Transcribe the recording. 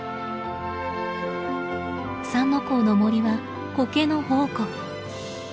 三之公の森はコケの宝庫。